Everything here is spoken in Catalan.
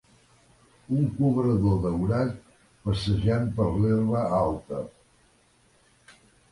Un cobrador daurat passejant per l'herba alta.